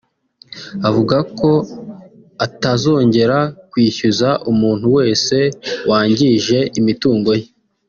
avuga ko atazongera kwishyuza umuntu wese wangije imitungo ye